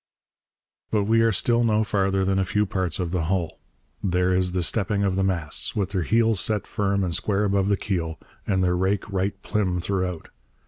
But we are still no farther than a few parts of the hull. There is the stepping of the masts, with their heels set firm and square above the keel, and their rake 'right plim' throughout.